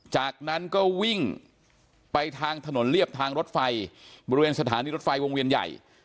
จากนั้นก็วิ่งไปทางถนนเรียบทางรถไฟบริเวณสถานีรถไฟวงเวียนใหญ่